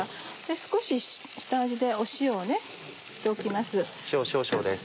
少し下味で塩を振っておきます。